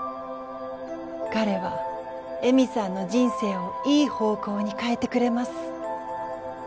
彼は江美さんの人生をいい方向に変えてくれます。